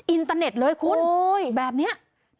อินเตอร์เน็ตเลยคุณแบบนี้